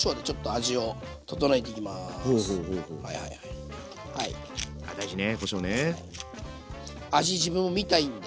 味自分も見たいんで。